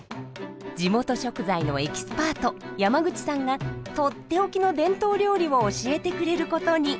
地元食材のエキスパート山口さんがとっておきの伝統料理を教えてくれることに。